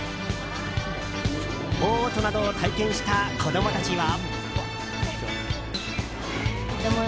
ボートなどを体験した子供たちは。